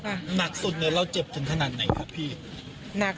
วันนั้นคือเหลืออดแล้วใช่ไหม